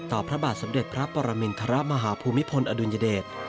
พระบาทสมเด็จพระปรมินทรมาฮภูมิพลอดุลยเดช